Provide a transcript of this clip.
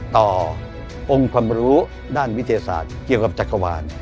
องค์ความรู้ด้านวิทยาศาสตร์เกี่ยวกับจักรวาล